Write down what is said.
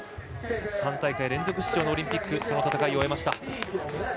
３大会連続出場のオリンピックその戦いを終えました。